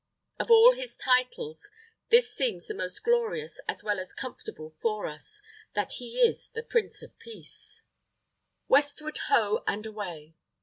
Of all His titles, this seems the most glorious as well as comfortable for us, that He is the Prince of Peace." WESTWARD HO, AND AWAY!